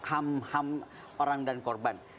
ham ham orang dan korban